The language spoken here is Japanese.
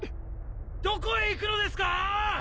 どこへ行くのですか！？